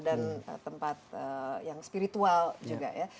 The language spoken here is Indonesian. dan tempat yang spiritual juga ya